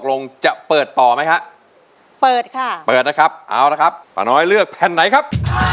ลงจะเปิดต่อไหมฮะเปิดค่ะเปิดนะครับเอาละครับป้าน้อยเลือกแผ่นไหนครับ